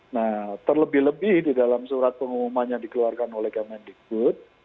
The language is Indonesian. nah terlebih lebih di dalam surat pengumuman yang dikeluarkan oleh kemendikbud